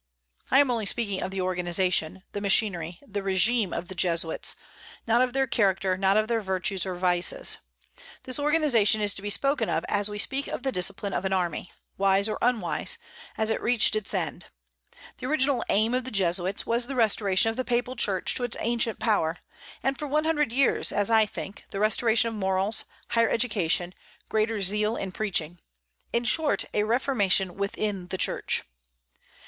I am only speaking of the organization, the machinery, the régime, of the Jesuits, not of their character, not of their virtues or vices. This organization is to be spoken of as we speak of the discipline of an army, wise or unwise, as it reached its end. The original aim of the Jesuits was the restoration of the Papal Church to its ancient power; and for one hundred years, as I think, the restoration of morals, higher education, greater zeal in preaching: in short, a reformation within the Church.